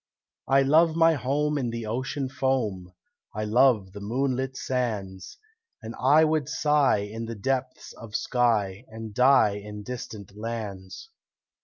I love my home in the ocean foam, I love the moonlit sands, And I would sigh in the depths of sky And die in distant lands."